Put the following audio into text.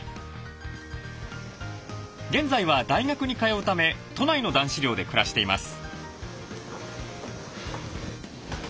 現在は大学に通うため都内の男子寮で暮らしています。